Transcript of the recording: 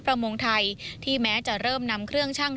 มงไทยที่แม้จะเริ่มนำเครื่องชั่ง